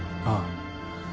ああ。